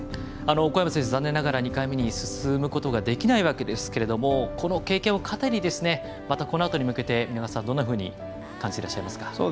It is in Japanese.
小山選手、残念ながら２回目進出はできないわけですけどこの経験を糧にこのあとに向けて皆川さん、どんなふうに感じていらっしゃいますか。